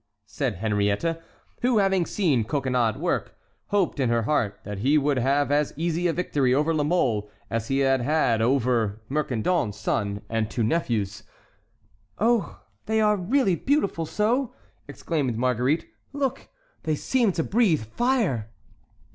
said Henriette, who having seen Coconnas at work, hoped in her heart that he would have as easy a victory over La Mole as he had over Mercandon's son and two nephews. "Oh, they are really beautiful so!" exclaimed Marguerite. "Look—they seem to breathe fire!"